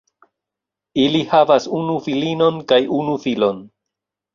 Ili havas unu filinon kaj unu filon.